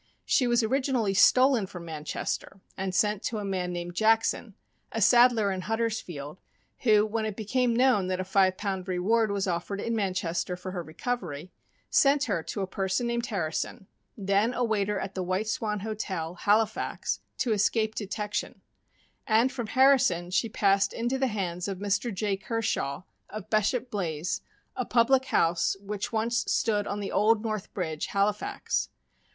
She was originally stolen from Man chester and sent to a man named Jackson, a saddler in Huddersfield, who, when it became known that a five pound reward was offered in Manchester for her recovery, sent her to a person named Harrison, then a waiter at the White Swan Hotel, Halifax, to escape detection; and from Harrison she passed into the hands of Mr. J. Kershaw, of Beshop Blaise, a public house which once stood on the Old North Bridge, Halifax.